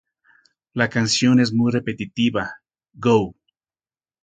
La canción es muy repetitiva "gou".